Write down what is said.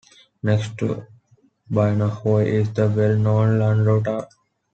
Next to Bainaohui is the well-known Landao Tower.